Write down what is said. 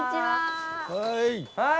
・はい！